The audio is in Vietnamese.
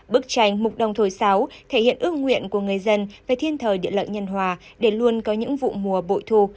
bức tranh mục đồng thổi sáo thể hiện ước nguyện của người dân về thiên thời địa lợi nhân hòa để luôn có những vụ mùa bội thu